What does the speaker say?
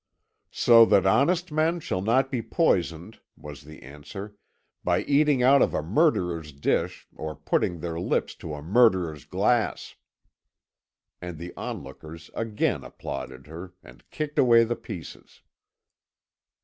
"So that honest men shall not be poisoned," was the answer, "by eating out of a murderer's dish or putting their lips to a murderer's glass." And the onlookers again applauded her, and kicked away the pieces.